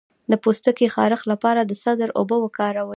د پوستکي خارښ لپاره د سدر اوبه وکاروئ